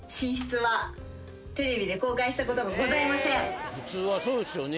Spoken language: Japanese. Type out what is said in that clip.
さらに普通はそうですよね。